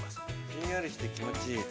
◆ひんやりして気持ちいい。